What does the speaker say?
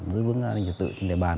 giữ bức an ninh thực tự trên địa bàn